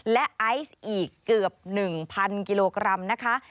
และไอซ์อีกเกือบ๑๐๐กิโลกรัมนะคะ